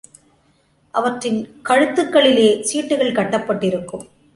அவற்றின் கழுத்துக்களிலே சீட்டுக்கள் கட்டப்பட்டிருக்கும்.